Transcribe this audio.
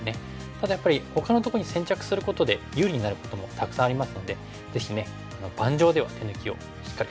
ただやっぱりほかのとこに先着することで有利になることもたくさんありますのでぜひ盤上では手抜きをしっかり考えて。